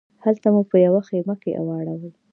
هلته مو په یوه خیمه کې واړول.